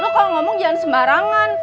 lo kalau ngomong jangan sembarangan